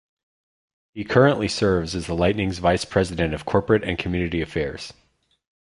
He currently serves as the Lightning's Vice President of Corporate and Community Affairs.